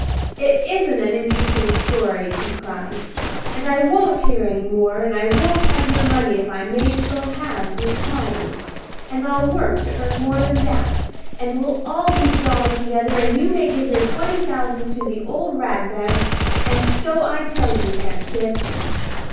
"It isn't an interesting story," he cried; "and I won't hear any more; and I won't have your money if I mayn't go halves with Polly; and I'll work to earn more than that, and we'll all be jolly together, and you may give your twenty thousand to the old rag bags, and so I tell you, Aunt Kipp."